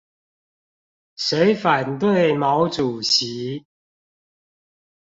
誰反對毛主席